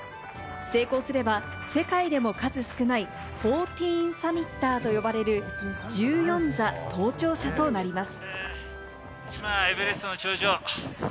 成功すれば世界でも数少ない１４Ｓｕｍｍｉｔｅｒと呼ばれる１４座登頂者となります。